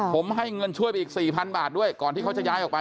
ผมให้เงินช่วยไปอีก๔๐๐๐บาทด้วยก่อนที่เขาจะย้ายออกไป